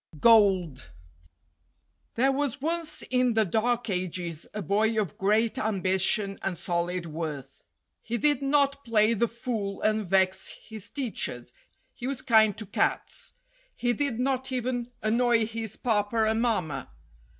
X GOLD THERE was once in the Dark Ages a boy of great ambition and solid worth. He did not play the fool and vex his teachers. He was kind to cats. He did not even annoy his papa and mamma.